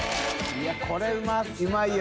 いこれうまいよ。